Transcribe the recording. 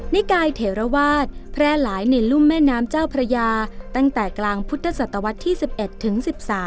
นิกายเถระวาสแพร่หลายในรุ่มแม่น้ำเจ้าพระยาตั้งแต่กลางพุทธศตวรรษที่๑๑ถึง๑๓